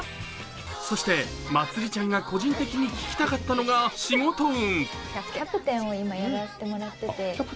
そして、まつりちゃんが個人的に聞きたかったのが仕事運。